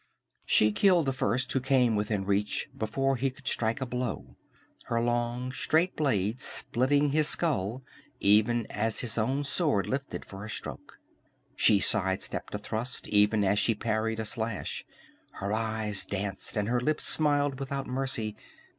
"]She killed the first who came within reach before he could strike a blow, her long straight blade splitting his skull even as his own sword lifted for a stroke. She side stepped a thrust, even as she parried a slash. Her eyes danced and her lips smiled without mercy.